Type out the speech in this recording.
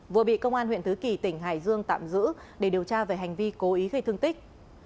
vừa bị công an huyện tứ kỳ tỉnh hải dương tạm giữ để điều tra về hành vi cố ý gây thương tích